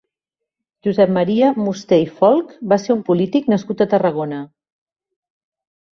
Josep Maria Musté i Folch va ser un polític nascut a Tarragona.